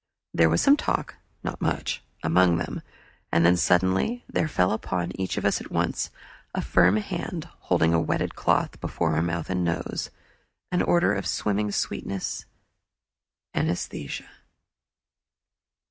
There was some talk, not much, among them, and then suddenly there fell upon each of us at once a firm hand holding a wetted cloth before mouth and nose an order of swimming sweetness anesthesia.